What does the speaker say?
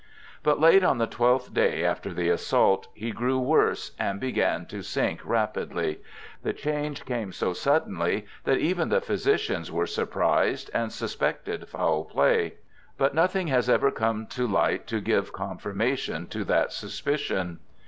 But late on the twelfth day after the assault, he grew worse, and began to sink rapidly. The change came so suddenly that even the physicians were surprised, and suspected foul play. But nothing has ever come to light to give confirmation to that suspicion.